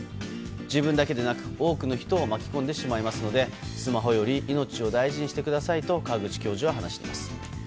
自分だけでなく多くの人を巻き込んでしまうのでスマホより命を大事にしてくださいと川口教授は話しています。